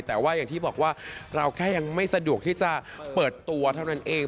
แต่ว่าอย่างที่บอกว่าเราแค่ยังไม่สะดวกที่จะเปิดตัวเท่านั้นเอง